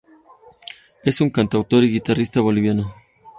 Es un cantautor y guitarrista boliviano.